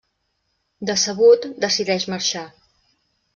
Decebut, decideix marxar.